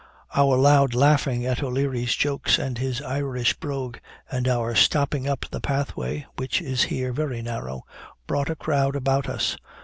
Our loud laughing at O'Leary's jokes, and his Irish brogue, and our stopping up the pathway, which is here very narrow, brought a crowd about us.